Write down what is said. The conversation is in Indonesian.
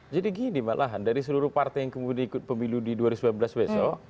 jadi gini mbak lahan dari seluruh partai yang kemudian ikut pemilu di dua ribu sembilan belas besok